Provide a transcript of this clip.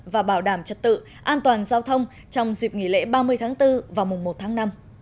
và bảo đảm trật tự an toàn giao thông trong dịp nghỉ lễ ba mươi tháng bốn và mùng một tháng năm